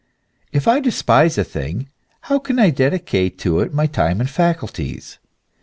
If I despise a thing, how can I dedicate to it my time and faculties ?